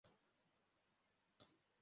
Abagabo benshi bambaye ibirenge bicaye hasi